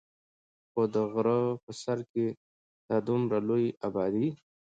خو د غرۀ پۀ سر کښې د دومره لوے ابادي